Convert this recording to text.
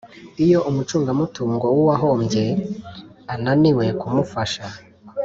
Iyo umucungamutungo w uwahombye ananiwe kumufasha